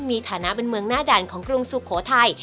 มีฐานะเป็นเมืองหน้าด่านของกรุงสุโขทัย